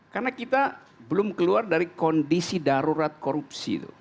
karena kita belum keluar dari kondisi darurat korupsi itu